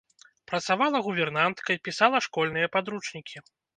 Працавала гувернанткай, пісала школьныя падручнікі.